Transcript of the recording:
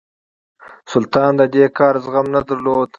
سلطان د دې کار زغم نه درلود.